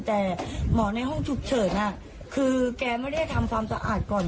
แต่หมอในห้องฉุกเฉินคือแกไม่ได้ทำความสะอาดก่อน